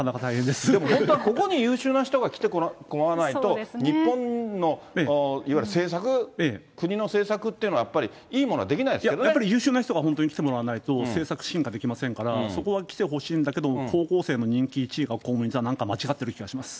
本当は、ここに優秀な人が来てもらわないと、日本のいわゆる政策、国の政策というのは、やっやっぱり優秀な人が本当に来てもらわないと、政策進化できませんから、そこは来てほしいんだけども、高校生の人気１位が、公務員はなんか間違っている気がします。